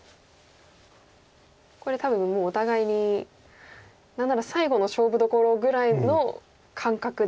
これ多分もうお互いに何なら最後の勝負どころぐらいの感覚で。